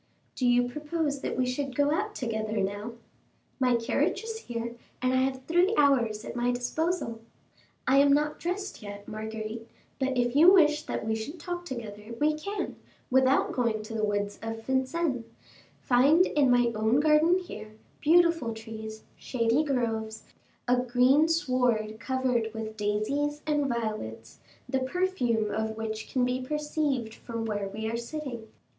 "Do you propose that we should go out together now?" "My carriage is here, and I have three hours at my disposal." "I am not dressed yet, Marguerite; but if you wish that we should talk together, we can, without going to the woods of Vincennes, find in my own garden here, beautiful trees, shady groves, a green sward covered with daisies and violets, the perfume of which can be perceived from where we are sitting."